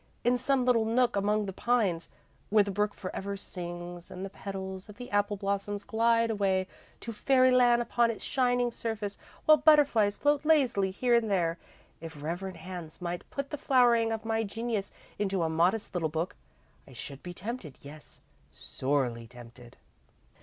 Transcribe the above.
In some little nook among the pines, where the brook for ever sings and the petals of the apple blossoms glide away to fairyland upon its shining surface, while butterflies float lazily here and there, if reverent hands might put the flowering of my genius into a modest little book I should be tempted, yes, sorely tempted."